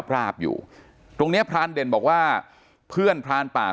พราบอยู่ตรงเนี้ยพรานเด่นบอกว่าเพื่อนพรานป่า